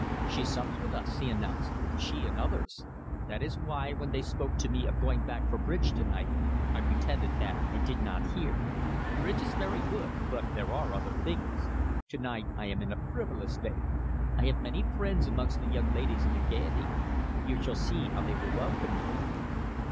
"She sups with us," he announced, "she and others. That is why, when they spoke to me of going back for bridge to night, I pretended that I did not hear. Bridge is very good, but there are other things. To night I am in a frivolous vein. I have many friends amongst the young ladies of the Gaiety. You shall see how they will welcome me."